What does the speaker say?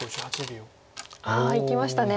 ああいきましたね。